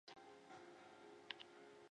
该省有发展水力发电和铜矿业的条件。